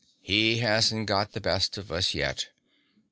"He hasn't gotten the best of us yet.